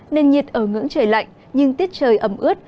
nền nhiệt ở ngưỡng trời lạnh nhưng tiết trời ấm ướt